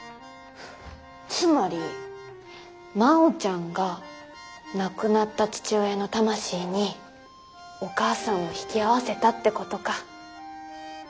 つまり真央ちゃんが亡くなった父親の魂にお母さんを引き合わせたってことか。